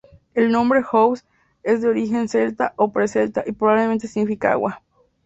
El nombre "Ouse" es de origen Celta o pre-Celta y probablemente significa "agua".